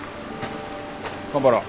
蒲原